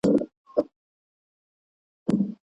د انقلاب په وخت کي فکري تنوع په بشپړ ډول حرامه وه.